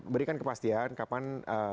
berikan kepastian kapan